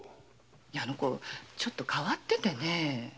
あの娘ちょっと変わっててね。